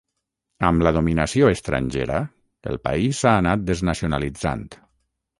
Amb la dominació estrangera el país s'ha anat desnacionalitzant.